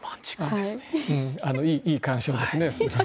いい鑑賞ですね。